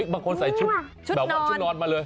บางคนใส่ชุดนอนมาเลย